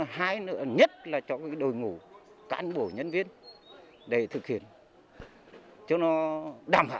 hai nữa nhất là cho đội ngũ cán bộ nhân viên để thực hiện cho nó đảm hảo